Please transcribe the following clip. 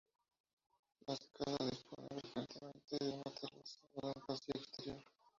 Las casas disponen frecuentemente de una terraza o de un pasillo exterior.